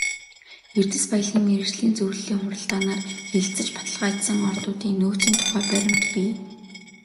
Эрдэс баялгийн мэргэжлийн зөвлөлийн хуралдаанаар хэлэлцэж баталгаажсан ордуудын нөөцийн тухай баримт бий.